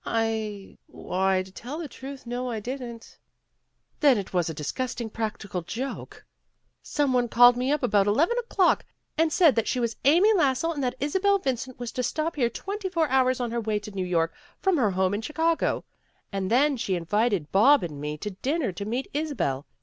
"I why, to tell the truth, no I didn't." "Then it was a disgusting practical joke. Some one called me up about eleven o 'clock and said she was Amy Lassell, and that Isabel Vin cent was to stop here twenty four hours on her way to New. York from her home in Chicago. And then she invited Bob and me to dinner to meet Isabel.